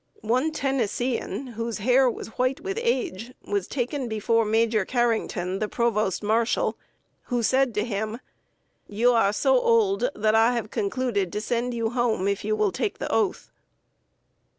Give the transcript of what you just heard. One Tennessean, whose hair was white with age, was taken before Major Carrington, the Provost Marshal, who said to him: "You are so old that I have concluded to send you home, if you will take the oath."